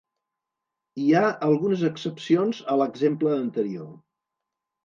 Hi ha algunes excepcions a l'exemple anterior.